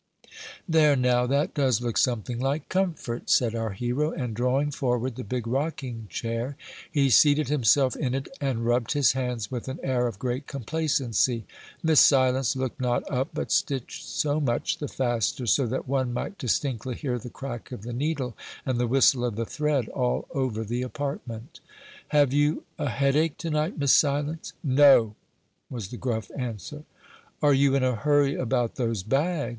"There, now, that does look something like comfort," said our hero; and drawing forward the big rocking chair, he seated himself in it, and rubbed his hands with an air of great complacency. Miss Silence looked not up, but stitched so much the faster, so that one might distinctly hear the crack of the needle and the whistle of the thread all over the apartment. "Have you a headache to night, Miss Silence?" "No!" was the gruff answer. "Are you in a hurry about those bags?"